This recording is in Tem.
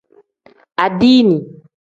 Adiini.